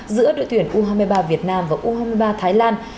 giữa đội tuyển u hai mươi ba việt nam và u hai mươi ba thái lan